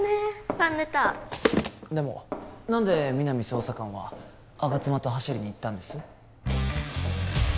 ファンレターでも何で皆実捜査官は吾妻と走りに行ったんです？